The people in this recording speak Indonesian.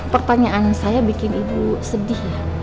pertanyaan saya bikin ibu sedih